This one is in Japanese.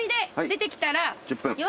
出てきたら。